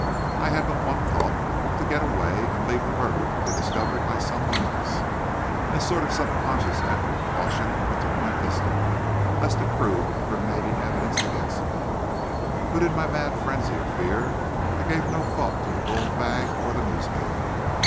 I had but one thought, to get away, and leave the murder to be discovered by some one else. In a sort of subconscious effort at caution, I took my pistol, lest it prove incriminating evidence against me, but in my mad frenzy of fear, I gave no thought to the gold bag or the newspaper.